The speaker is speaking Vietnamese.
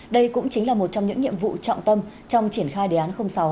đây cũng chính là một trong những nhiệm vụ trọng tâm trong triển khai đề án sáu